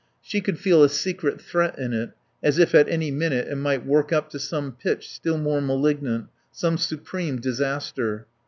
She could feel a secret threat in it, as if at any minute it might work up to some pitch still more malignant, some supreme disaster.